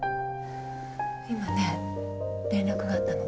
今ね連絡があったの。